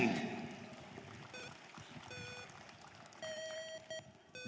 doktor rahmat pambudi